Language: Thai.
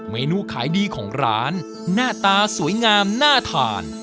เมนูขายดีของร้านหน้าตาสวยงามน่าทาน